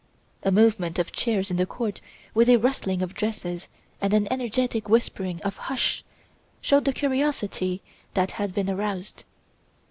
A movement of chairs in the court with a rustling of dresses and an energetic whispering of "Hush!" showed the curiosity that had been aroused.